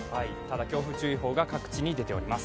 強風注意報が各地に出ております。